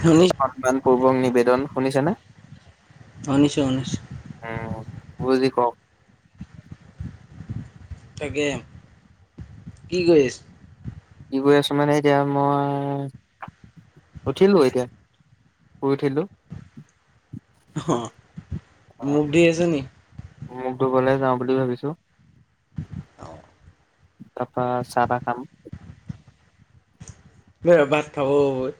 শুনি সন্মান পূৰ্বক নিবেদন শুনিছেনে? শুনিছো শুনিছো। উম গুৰুজী কওক। তাকে। কি কৰি আছে? কি কৰি আছো মানে এতিয়া মই, উঠিলো এতিয়া শুই উঠিলো। অহ, অ', মুখ ধুই আছে নি? মুখ ধুবলে যাওঁ বুলি ভাবিছো। অ। তাপা চাহ তাহ খাম। [unintelligible] ভাত খাব হব‌ই।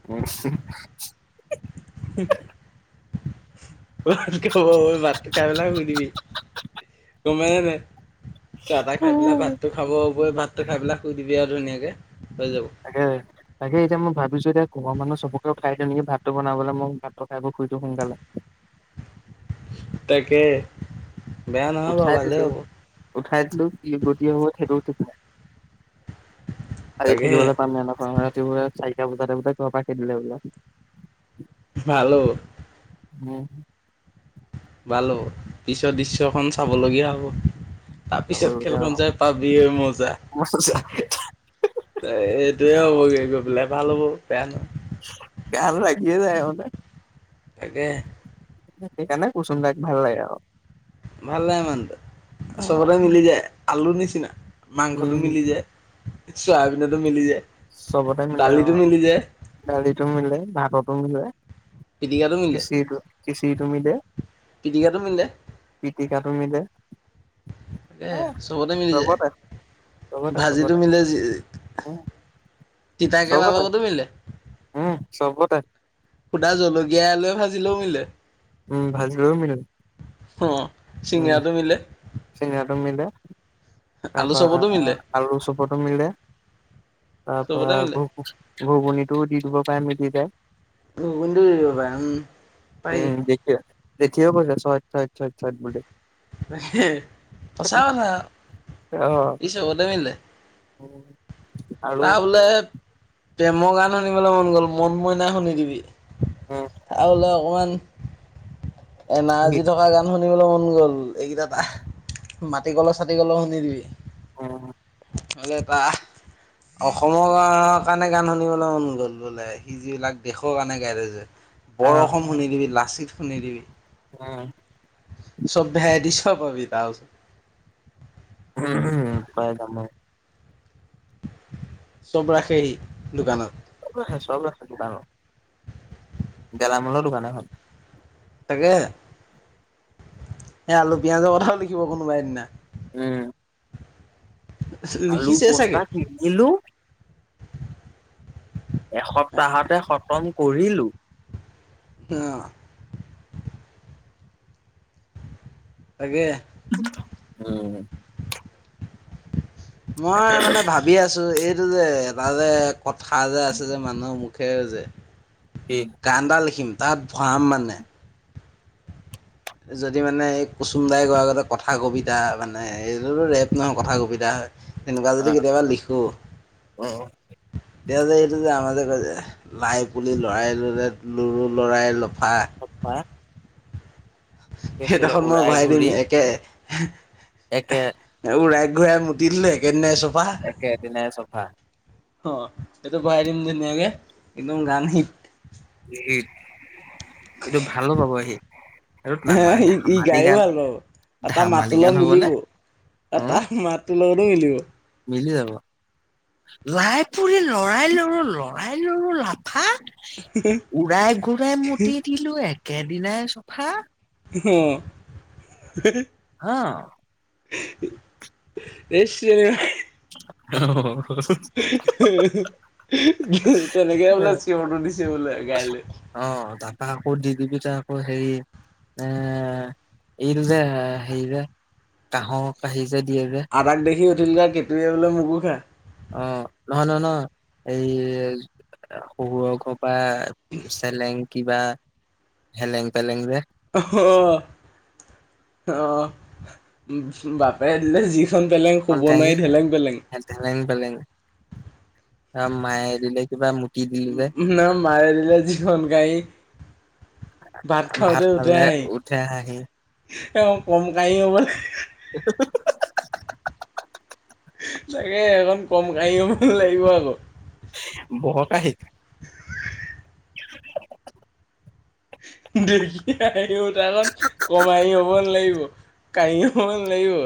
[unintelligible] [inaudible] [unintelligible] ভাতটো খাই পেলাই শুই দিবি কমাই নাই চাহ তাহ খাই পেলাই ভাতটো খাব হবই ভাত ভাতটো খাই পেলাই শুই দিবি আৰু ধুনীয়াকে হৈ যাব তাকে তাকে এতিয়া মই ভাবিছো এতিয়া ঘৰ মানুহ চবকে উঠাই দিওঁ নেকি ভাতটো বনাবলে মই ভাতটো খাই বই শুই দিওঁ সোনকালে তাকে বেয়া নহয় বাৰু উঠাই ভালেই দিলো হ'ব উঠাই দিলো কি গতি হয় সেইটো ঠিক নাই আহি তাকে থাকিবলৈ পাম নে নহয় ৰাতিপুৱা চাৰিটা বজাতে বজাই খৰৰ পৰা খেদিলে বোলে ভালো উম ভাল হ'ব পিছৰ দৃশ্যখন চাবলগীয়া হ'ব তাৰপিছত খেলখন চাই পাবি ৰহ মজা এইটোয়ে হ'বগে গৈ পেলাই ভাল হ'ব বেয়া নহয় গান লাগিয়ে যায় মানে তাকে সেইকাৰণে কুসুম দাক ভাল লাগে আৰু ভাল [unintelligible] আৰু। চবতে মিলি যায় আলুৰ নিচিনা মাংসটো উম মিলি যায় চয়াবিনাটো মিলি যায় চবতে মিলে অ দালিটো মিলি যায় দালিতো মিলে ভাততো মিলে পিটিকাটো মিলে খিছিৰটো খিচিৰি টো মিলে পিটিকাটো মিলে পিটিকাটো মিলে এ এই চবতে মিলি যায় চবতে ভাজিটো চবতে মিলে যি উম তিতাকেৰেলা চবতে লগতো মিলে উম চবতে সুধা জলকীয়া আলুৱে ভাজিলেও মিলে উম ভাজিলেও মিলে অ উম চিঙৰাটো মিলে চিঙৰাটো মিলে তাৰ আলু চপতো পৰা মিলে আলু চুপতো মিলে তাৰ চবতে পৰা মিলে ঘু ঘুগুনটো দি দিব পাৰি দি মিলি যায় [unintelligible] কিয়‌ জেঠি অ কৈছে চইত চইত চ ইত বুলি হে সঁচা কথা আও অ সি চবতে মিলে [unintelligible] তাৰ বোলে প্ৰেমৰ গান শুনিবলৈ মন গ'ল মন মইনা শুনি দিবি উম আৰু হ'লে অকণমান সি- এনাৰ্জী থকা গান শুনিবলৈ মন গ'ল এইকেইটা এটা মাটি কলৰ চাটি কল শুনি দিবি উম [unintelligible] অসমৰ কাৰণে গান শুনিবলৈ মন গ'ল বোলে সি যিবিলাক দেশৰ কাৰণে গাই থৈছে আহ বৰষুণ শুনি দিবি লাচিত শুনি দিবি উম [unintelligible] উম উম হয় দাম হয় চব ৰাখে সি দোকানত চব ৰাখে চব ৰাখে দোকানত গেলামালৰ দোকান এখন তাকে এ আলু পিয়াজৰ কথাও লিখিব কোনোবাই দিনা উম আলু লিখিছে বস্তা চাগে কিনিলো এসপ্তাহতে খতম কৰিলোঁ ন তাকে উম মই মানে ভাবি আছো এইটো যে এটা যে কথা যে আছে যে মানুহৰ মুখে যে কি গানটা লিখিম তাত ভৰাম মানে যদি মানে এই কুচুমদাই কোৱাৰ আগতে কথা কবিতা মানে এইটোতো ৰেপ নহয় কথা কবিতাহে তেনেকুৱা যদি অ', কেতিয়াবা লিখো উম, তে যে এইটো যে আমাৰ যে কয় যে লাই পুলি লৰাই লুৰু লৰু লৰাই লফা পাপা সেইডখৰ মই উৰাই ভৰাই দিম ঘূৰি একে একে উৰাই ঘূৰাই মুতি দিলে একেইদিনাই চফা একেদিনাই চফা অ সেইটো ভৰাই দিম ধুনীয়াকে একদম গান হিত হিত এইটো ভালো পাব সি এইটো হে ই ই ধেমালি গায়ও গান ভাল পাব আ তা ধেমালি মাতটো গান লগত হ'বনে? মিলিবও আ উম, তা মাত তোৰ লগতো মিলিব মিলি যাব লাই পুলি লৰাই ৰুলো লৰাই ৰুলো লাফা উৰাই ঘূৰাই মুতি দিলো একেদিনাই চফা অ অহ এই চিঞৰে অহ অহ তেনেকে বোলে চিঞৰটো দিছে বোলে গাই লৈ অ তাপা আকৌ দি দিবি তাৰ আকৌ হেৰি এ এইটো যে হেৰি যে কাহৰ কাহি যে দিয়ে যে আদাক দেখি উঠিল গা কেঁকুৰীয়ে বোলে মোকো খা অ নহয় নহয় নহ এই শহুৰৰ ঘ বা চেলেং কিবা হেলেং পেলেং যে অহ অহ বাপেৰে দিলে জি খন পেলেং শুব নোৱাৰি ঢেলেং পেলেং ঢেলেং পেলেং আ মায়ে দিলে কিবা মুটি দি নহয় মাৰে দিলে যিখন কাহি ভাত খাওঁতে উঠে খালে হাঁহি। উঠে হাঁহি এইখন কম কাঁহি হ'বনে? ত [unintelligible] তাকে এইখন কম কহি হ'ব নালাগিব আক বৰ কাঁহি। [unintelligible] [unintelligible] দেখি হাঁহি উঠা খন কম কাঁহি হব নেলাগিব কাঁহি হ'ব‌ নেলাগিব?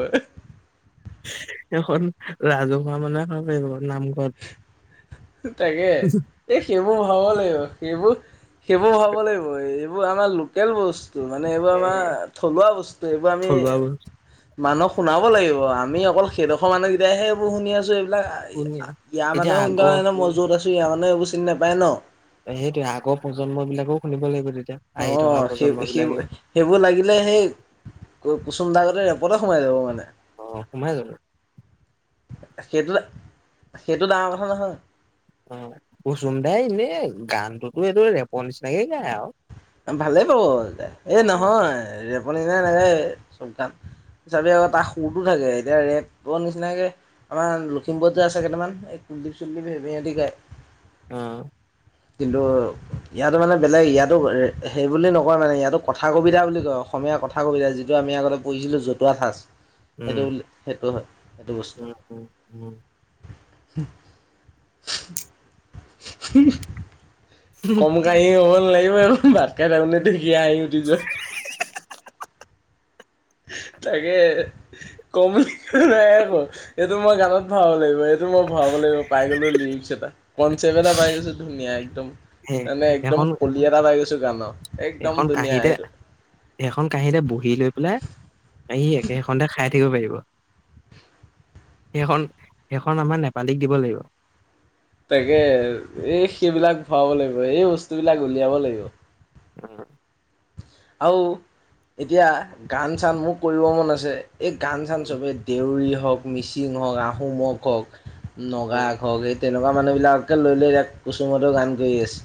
সেখন ৰাজহুৱা মানুহে খাব পাৰিব, নাম তাকে এই সেইবোৰ ভৰাব লাগিব সেইবোৰ সেইবোৰ ভৰাব লাগিব। এ এইবোৰ আমাৰ লোকেল বস্ত তো মানে এইবোৰ আমাৰ থলুৱা বস্তু এইবোৰ আমি থলুৱা বস্তু মানুহক শুনাব লাগিব। আমি অকল সেইডখৰ মানুহকেইটাই হে এইবোৰ শুনি আছো এইবিলাক যেন ইয়াৰ মানুহ শুনি থকা নাই ন মই য'ত আছো ইয়াৰ মানে একবোৰ চিনি নাপায় ন ত' সেইটোয়ে আগৰ প্ৰজন্ম বিলাকো শুনিব লাগিব তেতিয়া। আহি থকা অঁ সেই প্ৰজন্ম সেই বিলাকেও সেইবোৰ লাগিলে সেই কুচুম দা গতে ৰেপতে সোমাই যাব মানে অ' সোমাই যাব। সেইটো সেইটো ডাঙৰ কথা নহয়। অঁ কুচুম দাই এনে গানটোতো এইটো ৰেপৰ নিচিনাকে গায় আও ভালেই বাও এই নহয়, ৰেপ নিচিনাকে নাগাই চব গান। চাবি আকৌ তাক সুৰটো থাকে এতিয়া ৰেপ' নিচিনাকে আমাৰ লখিমপুৰত যে আছে কেইটামান এই কুলদীপ চুলদীপ সে সিহঁতি গায়। ওম। কিন্তু ইয়াতো মানে বেলেগ। ইয়াতো ৰে সেই বুলি নকয় মানে, ইয়াতো কথা - কবিতা বুলি কয়। অসমীয়া কথা কবিতা, যিটো আমি আগতে পঢ়িছিলোঁ জতুৱা ঠাঁচ [inaudible] সেইটো বুলি সেইটো হয় সেইটো বস্তু। [unintelligible] কম কাঁহি হ'ব নালাগিব সেইখন, ভাত খাই থাকোঙতে তাৰমনে দেখি আহি উঠি যোৱা। তাকে হে কম নাই আকৌ এইটো মই গানত ভাব লাগিব। এই টো মই ভৰাব লাগিব পাই গ'লো লিৰিক্স এটা। কনচেপ্ট এটা পাই গৈছো ধুনীয়া একদম সেই মানে একদম সেইখন কলি এটা পাই গৈছো গানৰ একদম সেইখন ধুনীয়া কাঁহীতে এইটো। সেইখন কাঁহীতে বহি লৈ পেলাই, এই সি সেইখনতে খাই থকি পাৰিব। সেইখন সেইখন আমাৰ নেপালীক দিব লাগিব তাকে এই সেইবিলাক ভৰাব লাগিব এই বস্তুবিলাক উলিয়াব লাগিব। উম [unintelligible] আও এতিয়া গান চান মোৰ কৰিব মন আছে। এ গান চান চবেই দেউৰী হওঁক মিচিং হওঁক আহোমক হওঁক উম নগাক হওঁক এই তেনেকুৱা মানুহ বিলাককে লৈ লৈ ইয়াক কুচুমতেও গান কৰি আছে।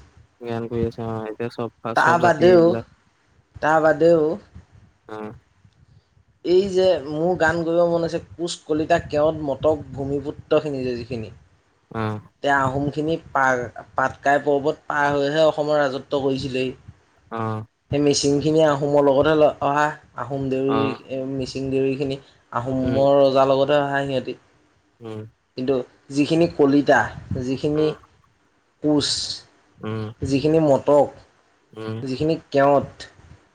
গান কৰি আছে অঁ, এতিয়া চব চব তা' জাতি বাদেউ এইবিলাক তা বাদেও। উম। এই যে মোৰ গান কৰিব মন আছে। কোচ, কলিতা, কেওত, মটক ভূমিপুত্ৰ খিনি যে যিখিনি আহ তে আহোম খিনি পা পাটকাই পৰ্বত পাৰ হৈহে অসমৰ ৰাজত্ব কৰিছিলেই অ সেই মিচিং খিনি আহোমৰ লগতহে অহা আহোম উম, দেউৰী মিচিং দেউৰী খিনি আহোমৰ ৰজাৰ লগততে অহা সিহঁতে উম কিন্তু যিখিনি কলিতা যিখিনি কোঁচ উম যিখিনি মটক উম, যিখিনি কেৱট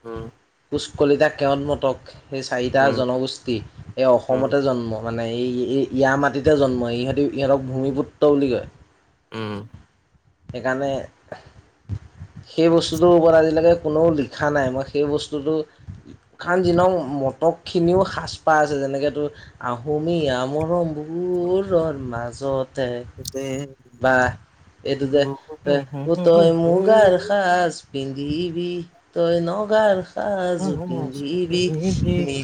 উম কুচ কলিতা কেৱট মটক সেই চাৰিটা উম, জনগোষ্ঠী এই উম, উম, উম, অসমতে জন্ম মানে এই ইয়াৰ মাটিতে জন্ম ইহঁতি ইহঁতক ভূমিপুত্ৰ বুলি কয় উম সেইকাৰণে সেই বস্তুটোৰ ওপৰত আজিলৈকে কোননেও লিখা নাই মই সেই বস্তুটো কাৰণ যিলওক মটকখিনিও সাজপাৰ আছে যেনেকেতো আহোমি আহোমবোৰৰ মাজতে দে বা এইটো যে তোই মুগাৰ সাজ পিন্ধি বি তোই নগাৰ অ', উম, পিন্ধিবি মি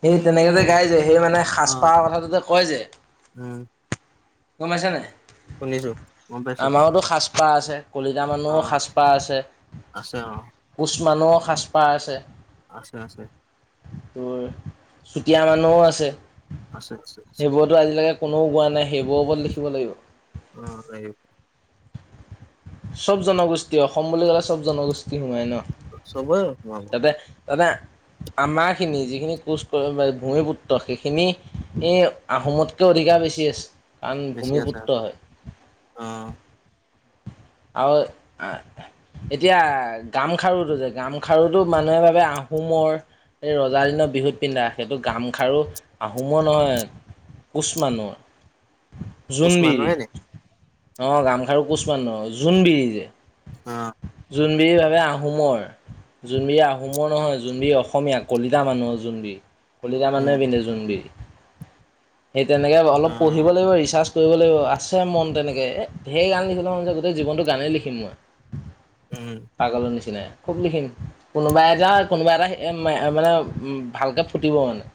সে তেনেকে যে গাই যায় সেই মানে সাজপাৰ কথাটোতে কয় যে উম গমপাইছানে গম পাইছো আমাৰতো সাজপাৰ আছে। কলিতা মানুহৰ অ', সাজপাৰ আছে আছে অ', কোচ মানুহৰ সাজপাৰ আছে। আছে আছে তোৰ চুতীয়া মানুহও আছে। আছে আছে আছে সেইবোৰতো আজিলৈকে কোনো কোৱা নাই সেইবোৰ ওপৰত লিখিব লাগিব অ ন চব জনগোষ্ঠী অসম বুলি ক'লে চব জনগোষ্ঠী সোমাই ন চবোৰ ম তে দাদা আমাৰ খিনি যিখিনি কোচ ভূমিপুত্ৰ সেইখিনি এই আহোমতকৈ অধিকাৰ বেছি আছে। কাৰণ বেছি আছে ভূমিপুত্ৰ হয় অ আৰু এতিয়া গামখাৰুটো যে গামখাৰুটো মানুহে ভাবে আহোমৰ এই ৰজাৰ দিনৰ বিহুত পিন্ধা সেইটো গামখাৰু আহোমৰ নহয় কোচ মানুহ কোচ জোনবিৰি মানুহে নি অ গামখাৰু কোচ মানুহৰ জোনবিৰি যে অ জোনবিৰি ভাবে আহোমৰ জোনবিৰি আহোমৰ নহয় জোনবিৰি অসমীয়া কলিতা মানুহৰ জোনবিৰি কলিতা মানুহে উম, পিন্ধে জোনবিৰি সেই তেনেকে অলপ পঢ়িব অ', লাগিব ৰিচাছ কৰিবলৌ আছে মন তেনেকে ঢেই গান লিখিব মন যায় গোটেই জীৱনটো গানেই লিখিম মই উম পাগলৰ নিচিনাই খুব লিখিম। কোনোবা এটা কোনোবা এটা এ মানে উ ভালকে ফুটিব মানে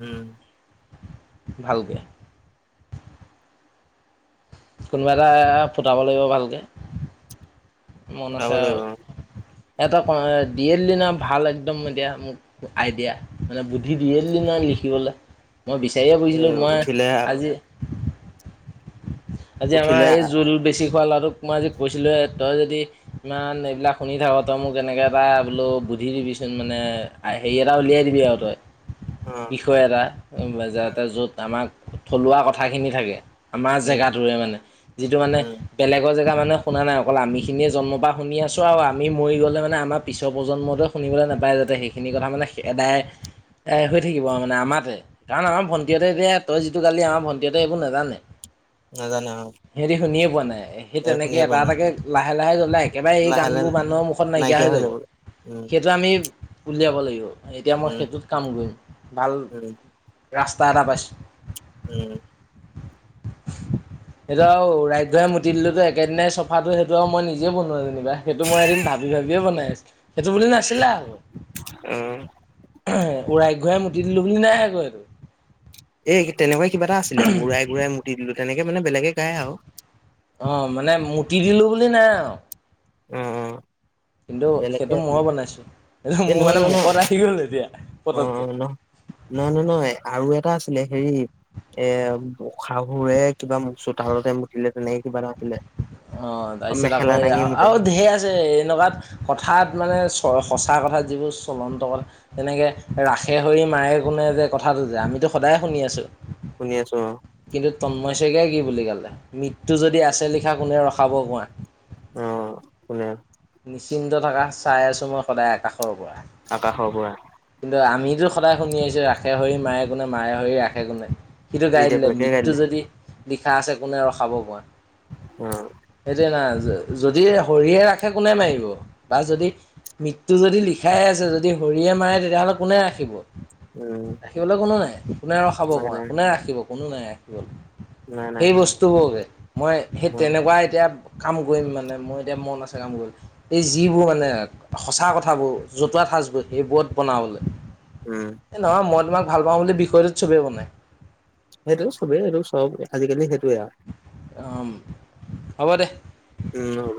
উম ভালকে কোনোবা এটা ফুটাব লাগিব ভালকে মন উঠাব আছে আৰু লাগিব এটা দিয়ে দিলি নহয় ভাল একদম এতিয়া মোক আইডিয়া মানে বুদ্ধি দিয়ে দিলি নহয় লিখিবলে মই বিচাৰিয়ে এ ফুৰিছিলোঁ মই উঠিলে আজি আজি আমাৰ উঠিলে এই অ', জোল বেছি খোৱা ল'ৰাটোক মই আজি কৈছিলোঁহে তই যদি ইমান এইবিলাক শুনি থাক তই মোক এনেকে এটা বোলো বুদ্ধি দিবিচোন মানে হেৰি এটা উলিয়াই দিবি আৰু তই অ বিষয় এটা যাতে য'ত আমাৰ থলুৱা কথাখিনি থাকে আমাৰ উম, জেগাত এ মানে যিটো মানে উম, বেলেগৰ জেগা মানুহে শুনা নাই অকল আমিখিনিয়ে জন্ম পৰা শুনি আছোঁ আৰু আমি মৰি গ'লে মানে আমাৰ পিছৰ প্ৰজন্মটোৱে শুনিবলৈ নাপায় যাতে সেইখিনি কথা মানে এদাই এ হৈ থাকিব আৰু মানে আমাতে কাৰণ আমাৰ ভণ্টিহঁতে এতিয়া তই যিটো গালি আমাৰ ভণ্টিহঁতে এইবোৰ নাজানে নাজানে অ সিহঁতে শুনিয়ে পোৱা নাই সেই এই তেনেকে শুনিয়ে পোৱা এটা নাই এটাকে লাহে লাহে জ্বলাই একেবাৰে এই লাহে গানবোৰ লাহে মানুহৰ মুখত নাইকিয়া হৈ যাব সেত সেইটো আমি উলিয়াব লাগিব এতিয়া মই উম, সেইটোত কাম কৰিম ভাল উম, ৰাস্তা এটা পাইছোঁ উম [inaudible] সেইটো আৰু উৰাই ঘুৰাই মুতি দিলো একেদিনাই চফাটো সেইটো আৰু মই নিজে বনোৱা যেনিবা সেইটো মই এদিন ভাবি ভাবিয়ে বনাই আছোঁ সেইটো বুলি নাছিলে আৰু উম উৰাই ঘূৰাই মুতি দিলো বুলি নাই আকৌ এইটো এই তেনেকুৱা কিবা এটা আছিলে ওৰাই ঘূৰাই মুতি দিলো তেনেকে মানে বেলেগে গায় আৰু অ মানে মুতি দিলো বুলি নাই আৰু অ অ কিন্তু বেলেগকে সেইটো মই আছিলে বনাইছো সেইটো এ মোৰ নহয় মানে নহয় নহয় মুখত আহি গ'ল এতিয়া অ অ পতকে নহ নহয় নহয় আৰু এটা আছিলে হেৰি এ উ শাহুৰে কিবা চোতলতে মুতিলে তেনেকে কিবা এটা আছিলে। অ তাৰপিছত আকৌ মেখেলা এ দাঙি আ মুতে আও ধেই আছে এনকাত কথাত মানে চ'ৰ সঁচা কথা যিবোৰ চলন্ত কথা তেনেকে ৰাসে হৰি মাৰে কোনে যে কথাটো যে আমিতো সদায় শুনি আছো শুনি আছো অ কিন্তু তন্ময় শইকীয়াই কি বুলি গালে মৃত্যু যদি আছে লিখা কোনে ৰখাব কোৱা অ কোনে নিশ্চিন্ত থকা চাই আছো মই সদায় আকাশৰ পৰা আকাশৰ পৰা কিন্তু আমিতো সদায় শুনি আহিছোঁ ৰাখে হৰি মাৰে কোনে মাৰে হৰি ৰাখে কোনে সিটো গাই এতিয়া দিলে বেলেগে গাই মৃত্যু দিলে যদি লিখা আছে কোনে ৰখাব কোৱা। উম। সেইটোয়ে না যদি হৰিয়ে ৰাখে কোনে মাৰিব বা যদি মৃত্যু যদি লিখাই আছে যদি হৰিয়ে মাৰে তেতিয়াহ'লে কোনে ৰাখিব। উম। ৰাখিবলৈ কোনো নাই, কোনে ৰখাব নাই কোৱা নাই কোনে ৰাখিব কোনো নাই। নাই নাই সেই বস্তুবোৰকে মই সেই অ তেনেকুৱা এতিয়া কাম কৰিম মানে মোৰ এতিয়া মন আছে কাম কৰিবলৈ। এই যিবোৰ মানে সঁচা কথাবোৰ জতুৱা ঠাঁচবোৰ সেইবোৰত বনাবলৈ। উম। এই নহয় মই তোমাক ভাল পাওঁ বুলি বিষয়টোত চবেই বনায়। সেইটোয়ে চবেই এইটো চব আজিকালি সেইটোয়ে আৰু। অঁ হ'ব দে। উম হ'ব।